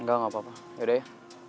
enggak enggak apa apa yaudah ya